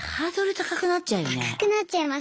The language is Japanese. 高くなっちゃいます。